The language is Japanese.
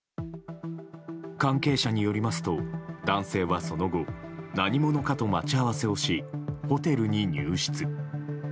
関係者によりますと男性はその後何者かと待ち合わせをしホテルに入室。